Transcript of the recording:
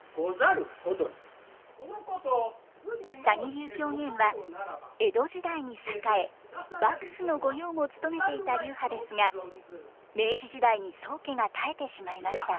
鷺流狂言は江戸時代に栄え幕府の御用も務めていた流派ですが明治時代に宗家が絶えてしまいました。